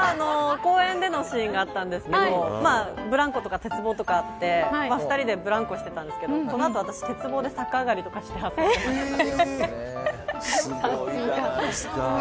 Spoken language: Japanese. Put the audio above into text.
公園でのシーンがあったんですがブランコとか鉄棒とかあって２人でブランコしてたんですがこの後、私、鉄棒で逆上がりとかして発散しました。